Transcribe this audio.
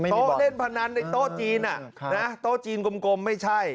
โต๊ะเล่นพนันในโต๊ะจีนโต๊ะจีนกลมไม่ใช่